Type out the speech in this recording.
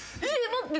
待って。